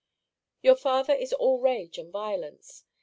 Your father is all rage and violence.